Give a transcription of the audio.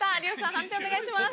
判定お願いします。